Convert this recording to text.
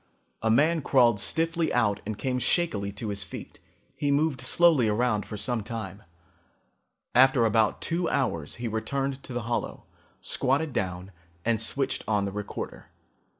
A man crawled stiffly out and came shakily to his feet. He moved slowly around for some time. After about two hours he returned to the hollow, squatted down and switched on the recorder.